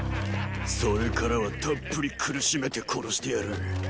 それからはたっぷり苦しめて殺してやる。